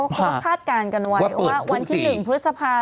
คาดการณ์กันไว้ว่าวันที่๑พฤษภา